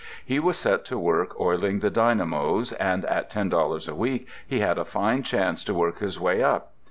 He was set to work oiling the dynamos, and at ten dollars a week he had a fine chance to work his way up.